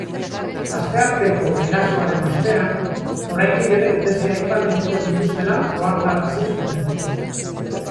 Astearteko erasoaren ostean, oraindik ere beste hainbat egingo dituztela ohartarazi zuten.